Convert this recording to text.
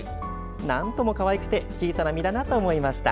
なんともかわいくて小さな実だなと思いました。